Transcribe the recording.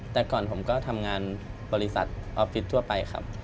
แต่ก่อนผมก็ทำงานบริษัทออฟฟิศทั่วไปครับ